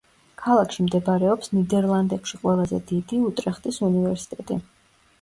ქალაქში მდებარეობს ნიდერლანდებში ყველაზე დიდი, უტრეხტის უნივერსიტეტი.